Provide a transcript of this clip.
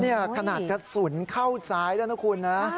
เนี่ยขนาดกระสุนเข้าซ้ายละนะคุณ